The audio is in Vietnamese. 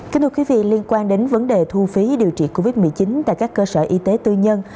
kính thưa quý vị liên quan đến vấn đề thu phí điều trị covid một mươi chín tại các cơ sở y tế tư nhân